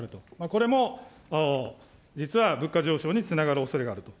これも実は、物価上昇につながるおそれがあると。